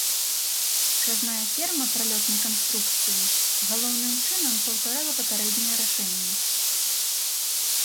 Скразная ферма пралётнай канструкцыі галоўным чынам паўтарала папярэднія рашэнні.